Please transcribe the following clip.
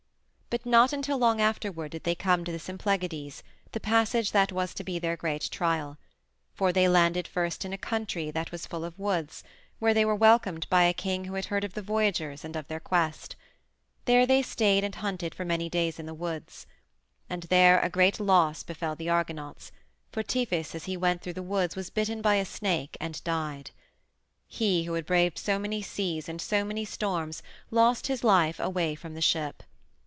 But not until long afterward did they come to the Symplegades, the passage that was to be their great trial. For they landed first in a country that was full of woods, where they were welcomed by a king who had heard of the voyagers and of their quest. There they stayed and hunted for many days in the woods. And there a great loss befell the Argonauts, for Tiphys, as he went through the woods, was bitten by a snake and died. He who had braved so many seas and so many storms lost his life away from the ship.